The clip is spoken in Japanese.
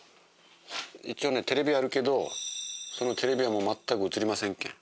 一応ねテレビあるけどそのテレビは全く映りませんけん。